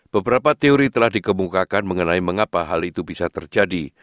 beberapa teori telah dikemukakan mengenai mengapa hal itu bisa terjadi